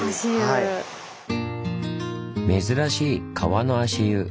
珍しい「川の足湯」